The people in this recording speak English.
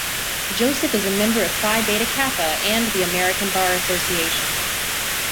Joseph is a member of Phi Beta Kappa and the American Bar Association.